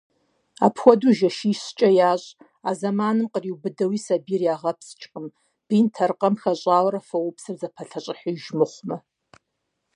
Апхуэдэу жэщищкӀэ ящӀ, а зэманым къриубыдэуи сабийр ягъэпскӀыркъым, бинт аркъэм хащӀэурэ фоупсыр зэпалъэщӀыхьыж мыхъумэ.